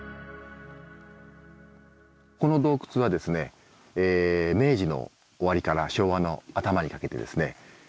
この洞窟はですね明治の終わりから昭和の頭にかけてですね